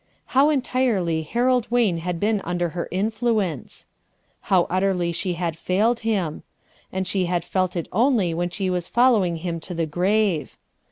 How entirely Harold Wayne had been under her influence! how utterly she had failed him I And she had felt it only when she was following him to the grave.